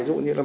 dụ như là